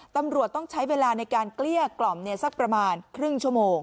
ตำรวจต้องใช้เวลาในการเกลี้ยกล่อมสักประมาณครึ่งชั่วโมง